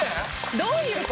どういう事？